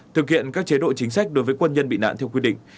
thực hiện các chế độ chính sách đối với quân nhân bị nạn theo quy định